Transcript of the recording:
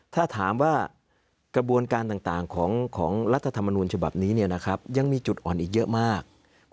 ถ้าถามว่ากระบวนการต่างของรัฐธรรมนูญฉบับนี้ยังมีจุดอ่อนอีกเยอะมาก